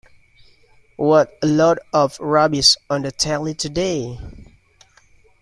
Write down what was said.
What a load of rubbish on the telly today.